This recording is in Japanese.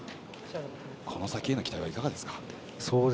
この先への期待はいかがですか。